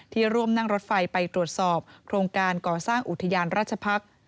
ร่วมนั่งรถไฟไปตรวจสอบโครงการก่อสร้างอุทยานราชพักษ์